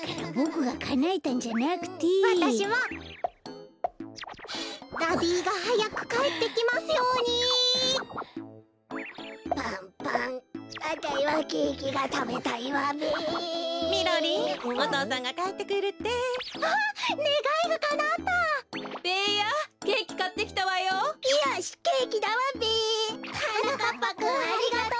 はなかっぱくんありがとう。